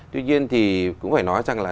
tuy nhiên thì cũng phải nói rằng là